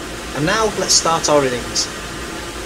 And now let's start our innings.